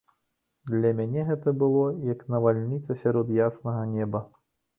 Для мяне гэта было як навальніца сярод яснага неба.